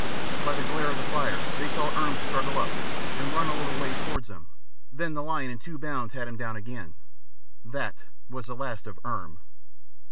By the glare of the fire they saw Irm struggle up, and run a little way towards them, and then the lion in two bounds had him down again. That was the last of Irm.